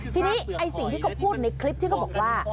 ทีนี้ไอ้สิ่งที่เขาพูดในคลิปที่เขาบอกว่า